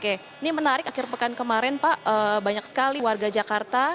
oke ini menarik akhir pekan kemarin pak banyak sekali warga jakarta